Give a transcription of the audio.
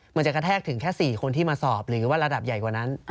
มันจะกระแทกถึงแค่๔คนที่มาสอบหรือว่าระดับใหญ่กว่านั้น